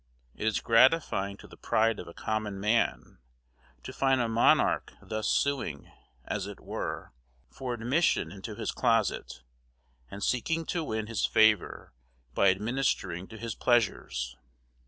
It is gratifying to the pride of a common man, to find a monarch thus suing, as it were, for admission into his closet, and seeking to win his favor by administering to his pleasures.